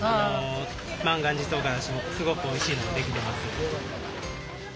万願寺とうがらしもすごくおいしいのが出来てます。